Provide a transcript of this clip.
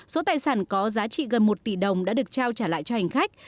số tài sản có giá trị gần một tỷ đồng đã được trao trả lại cho hành khách